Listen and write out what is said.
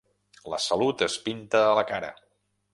La salut es pinta a la cara.